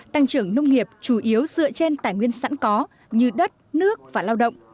tăng trưởng nông nghiệp chủ yếu dựa trên tài nguyên sẵn có như đất nước và lao động